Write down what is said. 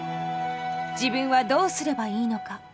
自分はどうすればいいのか。